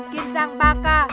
kiên giang ba ca